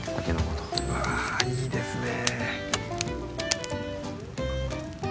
うわいいですね。